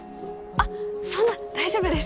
あっそんな大丈夫です。